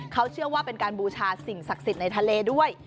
เขาเชื่อว่าเป็นการบูชาสิ่งศักดิ์สิทธิ์ในทะเลด้วย